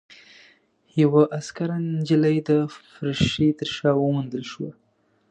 يوه عسکره نجلۍ د پرښې تر شا وموندل شوه.